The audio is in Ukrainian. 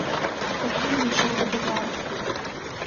Так він дійшов до базару.